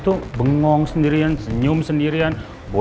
duh bang current menurutmu